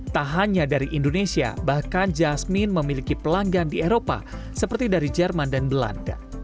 tak hanya dari indonesia bahkan jasmine memiliki pelanggan di eropa seperti dari jerman dan belanda